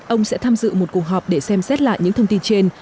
ông sẽ tham dự một cuộc họp để xem xét lại những thông tin trên